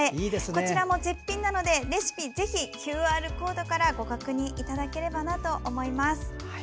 こちらも絶品なので、レシピぜひＱＲコードからご確認いただければと思います。